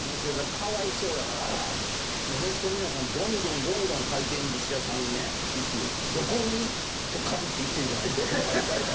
かわいそうやから皆さん、どんどん回転ずし屋さんにどこにと限って言ってるんじゃないですよ。